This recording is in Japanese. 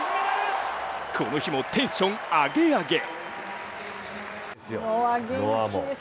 この日もテンション、アゲアゲ。